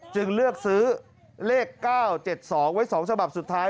จึงเลือกซื้อเลข๙๗๒ไว้๒ฉบับสุดท้าย